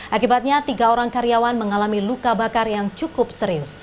akibatnya tiga orang karyawan mengalami luka bakar yang cukup serius